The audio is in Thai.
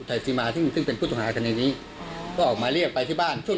อุทัยศรีมาที่ชื่อชัดเบียดราษใช่